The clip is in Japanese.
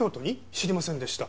知りませんでした。